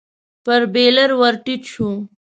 پر بېلر ور ټيټ شو.